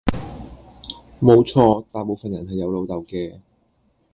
冇錯，大部份人係有老豆嘅